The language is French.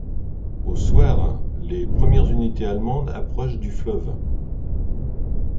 Au soir, les premières unités allemandes approchent du fleuve.